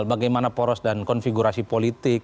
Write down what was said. bagaimana poros dan konfigurasi politik